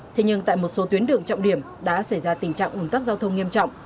thế nhưng tại một số tuyến đường trọng điểm đã xảy ra tình trạng ủn tắc giao thông nghiêm trọng